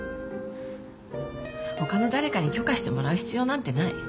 他の誰かに許可してもらう必要なんてない。